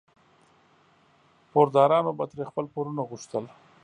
پوردارانو به ترې خپل پورونه غوښتل.